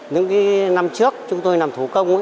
những năm trước chúng tôi làm thủ công